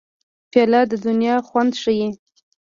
پیاله د دنیا خوند ښيي.